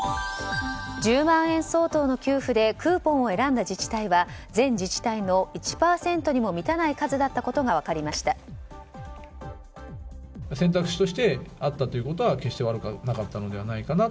１０万円相当の給付でクーポンを選んだ自治体は全自治体の１％にも満たない数だったことが分かりました。